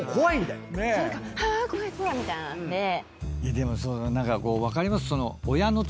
でも何か分かります。